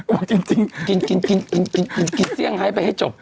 กลับจริงกินเสี้ยงไฮน์ไปให้จบ